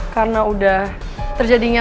karena udah terjadinya